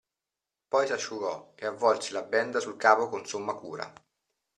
Poi s'asciugò e avvolse la benda sul capo con somma cura.